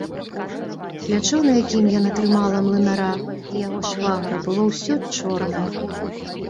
Плячо, на якім яна трымала млынара і яго швагра, было ўсё чорнае.